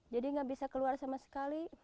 jadi nggak bisa keluar sama sekali